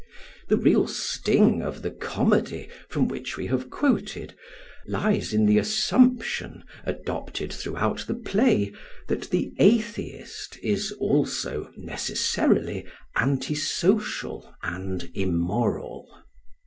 The real sting of the comedy from which we have quoted lies in the assumption, adopted throughout the play, that the atheist is also necessarily anti social and immoral.